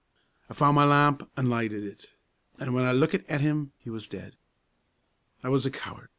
"I foun' ma lamp an' lighted it, an' when I lookit at him, he was dead. "I was a coward.